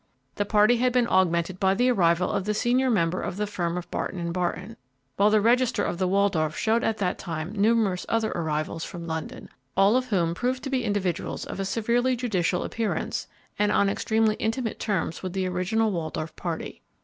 The party had been augmented by the arrival of the senior member of the firm of Barton & Barton, while the register of the Waldorf showed at that time numerous other arrivals from London, all of whom proved to be individuals of a severely judicial appearance and on extremely intimate terms with the original Waldorf party.